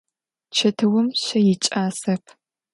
Чэтыум щэ икӏасэп.